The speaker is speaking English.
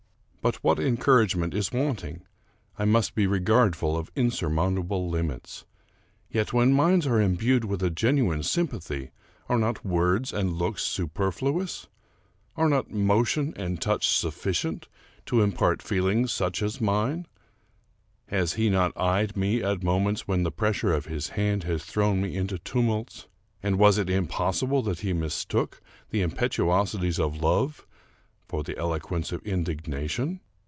But what encouragement is wanting? I must be regard ful of insurmountable limits. Yet, when minds are imbued with a genuine sympathy, are not words and looks super fluous ? Are not motion and touch sufficient to impart feel ings such as mine? Has he not eyed me at moments when the pressure of his hand has thrown me into tumults, and was it impossible that he mistook the impetuosities of love for the eloquence of indignation?